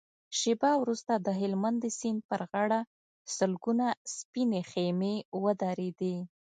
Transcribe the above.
شېبه وروسته د هلمند د سيند پر غاړه سلګونه سپينې خيمې ودرېدې.